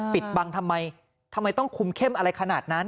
ปิดบังทำไมทำไมต้องคุมเข้มอะไรขนาดนั้น